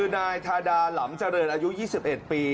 นายทาดาหลำเจริญอายุ๒๑ปี